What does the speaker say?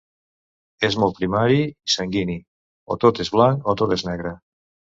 És molt primari i sanguini: o tot és blanc o tot és negre.